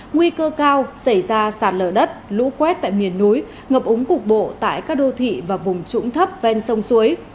nguy cơ cao xảy ra sạt lở đất lũ quét tại miền núi ngập ống cục bộ tại các đô thị và vùng trũng thấp ven sông suối